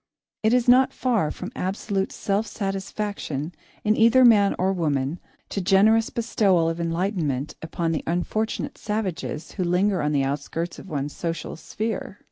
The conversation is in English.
It is not far from absolute self satisfaction, in either man or woman, to generous bestowal of enlightenment upon the unfortunate savages who linger on the outskirts of one's social sphere.